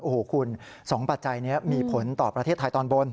โอ้โหคุณ๒ปัจจัยนี้มีผลต่อประเทศไทยตอนบน